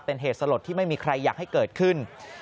เป็นเหตุสลดที่ไม่มีใครอยากให้เกิดขึ้น